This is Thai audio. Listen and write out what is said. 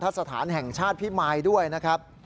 สถานแห่งชาติพิมายด้วยนะครับ